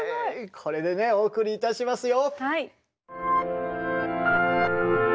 これでねお送りいたしますよ。